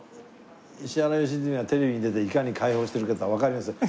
石原良純はテレビに出ていかに解放してるかがわかりやすい。